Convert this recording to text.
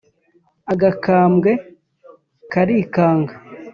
agakambwe karikanga,